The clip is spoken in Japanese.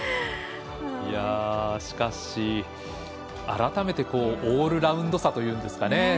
しかし、改めてオールラウンドさというんですかね。